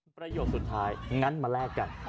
ประโยคสุดท้ายงั้นมาแลกกัน